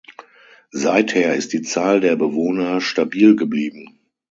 Seither ist die Zahl der Bewohner stabil geblieben.